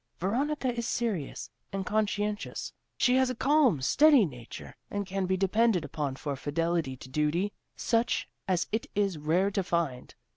Veronica is serious and conscientious; she has a calm steady nature and can be depended upon for fidelity to duty, such as it is rare to find.